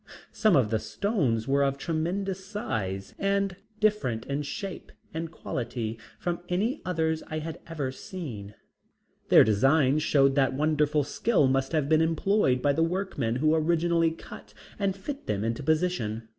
Some of the stones were of tremendous size and different in shape and quality from any others I have ever seen. Their designs showed that wonderful skill must have been employed by the workmen who originally cut and fit them into position.